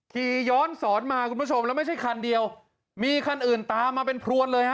ขี่ย้อนสอนมาคุณผู้ชมแล้วไม่ใช่คันเดียวมีคันอื่นตามมาเป็นพรวนเลยฮะ